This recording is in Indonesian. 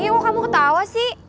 ih kok kamu ketawa sih